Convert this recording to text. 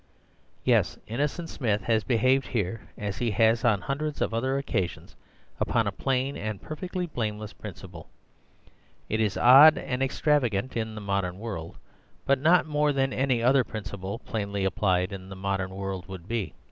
"Yes, Innocent Smith has behaved here, as he has on hundreds of other occasions, upon a plain and perfectly blameless principle. It is odd and extravagant in the modern world, but not more than any other principle plainly applied in the modern world would be.